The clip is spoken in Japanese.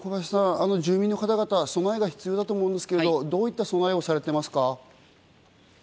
小林さん、住民の方々は備えが必要だと思うんですが、そういった備えはされていますか？